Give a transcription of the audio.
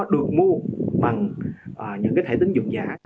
được mua bằng những cái thẻ tín dụng giả